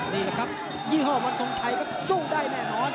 นี่แหละครับยี่ห้อวันทรงชัยครับสู้ได้แน่นอน